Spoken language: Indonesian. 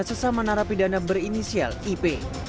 dan sesama narapi dana berinisial ip